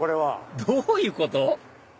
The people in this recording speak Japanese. どういうこと？